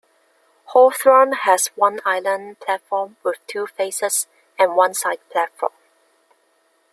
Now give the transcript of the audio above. Hawthorn has one island platform with two faces and one side platform.